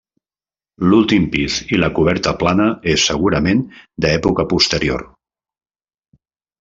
L'últim pis i la coberta plana és segurament d'època posterior.